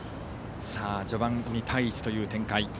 序盤２対１という展開。